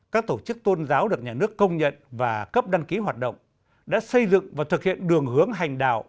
các tổ chức tôn giáo được nhà nước công nhận và cấp đăng ký hoạt động đã xây dựng và thực hiện đường hướng hành đạo